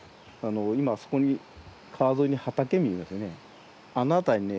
今あそこに川沿いに畑見えますね。